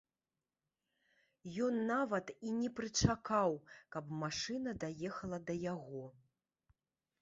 Ён нават і не прычакаў, каб машына даехала да яго.